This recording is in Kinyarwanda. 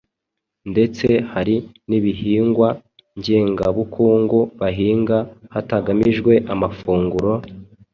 ndetse hari n’ibihingwa ngengabukungu bahinga hatagamijwe amafunguro,